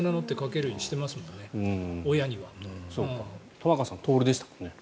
玉川さん、徹でしたもんね。